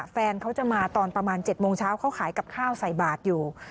แฟนเขาจะมาตอนประมาณ๗โมงเช้าเขาขายกับข้าวใส่บาทอยู่